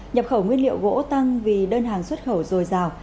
nhập khẩu nguyên liệu gỗ tăng vì đơn hàng xuất khẩu dồi dào